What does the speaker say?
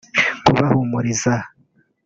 kubahumuriza